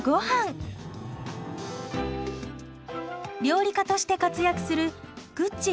料理家として活躍するぐっち